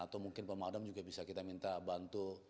atau mungkin pemadam juga bisa kita minta bantu